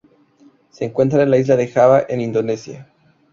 Se encuentra en la Isla de Java en Indonesia.